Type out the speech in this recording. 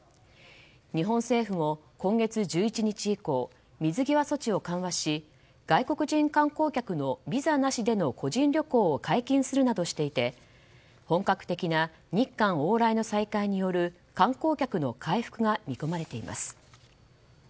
日本政府も今月１１日以降水際措置を緩和し外国人観光客のビザなしでの個人旅行を解禁するなどしていて本格的な日韓往来の再開による観光客の回復が見込まれています。